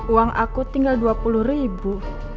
uang aku tinggal dua puluh ribu